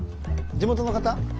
地元の方？